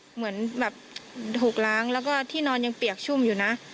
เหมือนแบบถูกล้างแล้วก็ที่นอนยังเปียกชุ่มอยู่นะ